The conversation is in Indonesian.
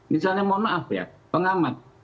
misalnya mohon maaf ya pengamat